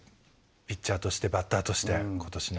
ピッチャーとしてバッターとしてことしの。